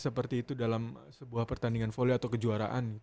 seperti itu dalam sebuah pertandingan volley atau kejuaraan